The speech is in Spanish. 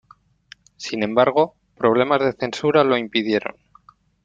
Sin embargo, problemas de censura lo impidieron.